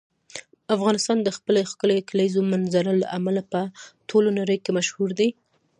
افغانستان د خپلې ښکلې کلیزو منظره له امله په ټوله نړۍ کې مشهور دی.